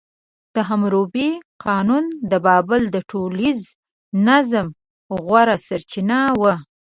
د حموربي قانون د بابل د ټولنیز نظم غوره سرچینه وه.